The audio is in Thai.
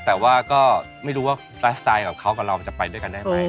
แต่ว่าก็ไม่รู้ว่าไลฟ์สไตล์ของเขากับเราจะไปด้วยกันได้ไหม